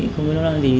không biết nó làm gì